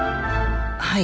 はい。